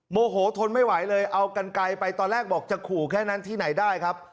โมโหทนไม่ไหวเลยเอากันไกลไปตอนแรกบอกจะขู่แค่นั้นที่ไหนได้ครับ